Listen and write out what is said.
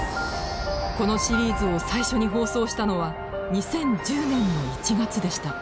このシリーズを最初に放送したのは２０１０年の１月でした。